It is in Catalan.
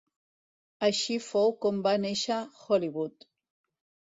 Així fou com va néixer Hollywood.